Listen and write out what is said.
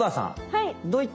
はい！